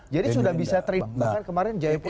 jadi sudah bisa terimak